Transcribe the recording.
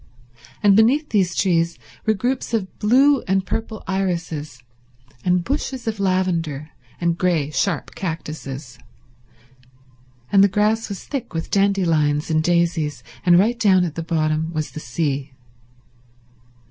And beneath these trees were groups of blue and purple irises, and bushes of lavender, and grey, sharp cactuses, and the grass was thick with dandelions and daisies, and right down at the bottom was the sea.